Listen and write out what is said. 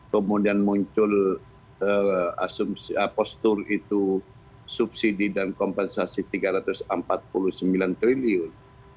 kemudian muncul apostur itu subsidi dan kompensasi tiga ratus empat puluh sembilan triliun